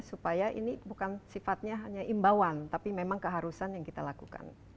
supaya ini bukan sifatnya hanya imbauan tapi memang keharusan yang kita lakukan